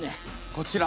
こちら。